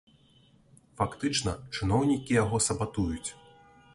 Фактычна, чыноўнікі яго сабатуюць.